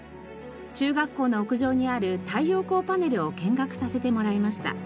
中学校の屋上にある太陽光パネルを見学させてもらいました。